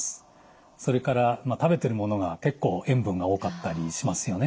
それから食べてるものが結構塩分が多かったりしますよね。